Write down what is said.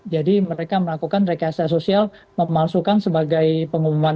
jadi mereka melakukan rekesa sosial memasukkan sebagai pengumuman bank